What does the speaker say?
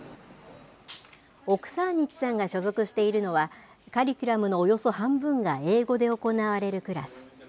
オクサーニチさんが所属しているのは、カリキュラムのおよそ半分が英語で行われるクラス。